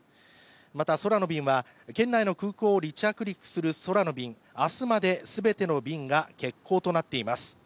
また、空の便は県内の空港を離着陸する空の便、明日まで全ての便が欠航となっています。